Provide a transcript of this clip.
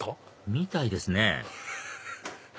みたいですね